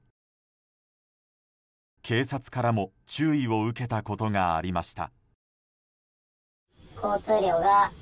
警察からも注意を受けたことがありました。